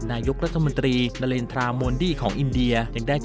นายกรัฐมนตรีนาเลนทราโมนดี้ของอินเดียยังได้